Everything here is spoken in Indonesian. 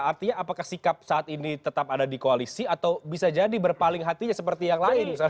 artinya apakah sikap saat ini tetap ada di koalisi atau bisa jadi berpaling hatinya seperti yang lain